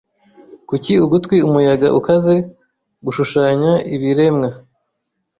Kuki ugutwi umuyaga ukaze gushushanya ibiremwa